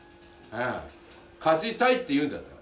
勝ちたいって言うんだったら。